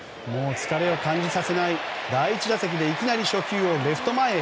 疲れを感じさせない第１打席で初球をいきなりレフト前へ。